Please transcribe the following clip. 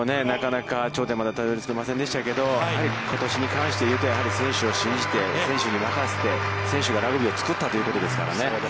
なかなか頂点までたどり着けませんでしたけど、やはりことしに関して言うと、やはり選手を信じて選手に任せて、選手がラグビーをつくったということですからね。